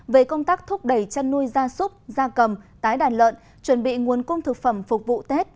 về công tác thúc đẩy chăn nuôi da súp da cầm tái đàn lợn chuẩn bị nguồn cung thực phẩm phục vụ tết